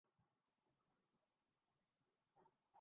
کچھ یہ بتانا چاہتے ہیں کہ سارا گلاس بھرا ہوا ہے۔